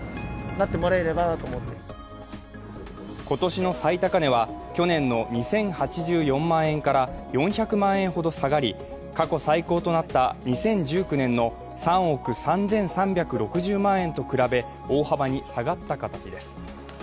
今年の最高値は去年の２０８４万円から４００万円ほど下がり過去最高となった２０１９年の３億３３６０万円と比べ、大幅に下がった形です。